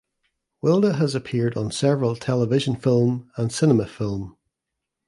Wilda has appeared on several television film and cinema film.